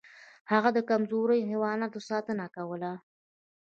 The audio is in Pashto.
هغه د کمزورو حیواناتو ساتنه کوله.